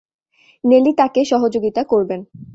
নেলি তাকে সহযোগিতা করবেন।